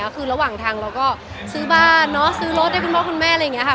คือระหว่างทางเราก็ซื้อบ้านซื้อรถให้คุณพ่อคุณแม่อะไรอย่างนี้ค่ะ